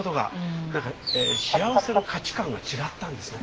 何か幸せの価値観が違ったんですね。